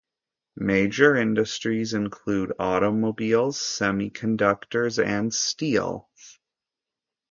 Major industries include automobiles, semiconductors, and steel.